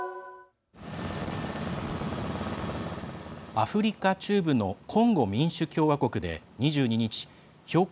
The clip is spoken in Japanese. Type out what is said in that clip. アフリカ中部のコンゴ民主共和国で、２２日標高